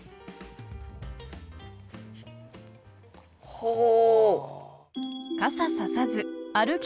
ほう。